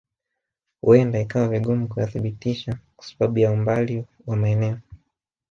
Huenda ikawa vigumu kuyathibitisha kwa sababu ya umbali wa maeneo